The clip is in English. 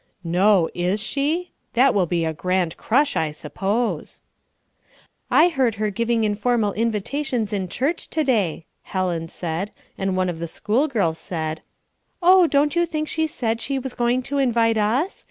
"No; is she? That will be a grand crush, I suppose." "I heard her giving informal invitations in church to day," Helen said, and one of the schoolgirls said: "Oh, don't you think she said she was going to invite us?